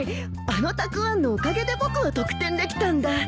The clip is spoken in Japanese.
あのたくあんのおかげで僕は得点できたんだ。